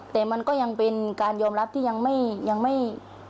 แต่มันก็ยังเป็นการยอมรับที่ยังไม่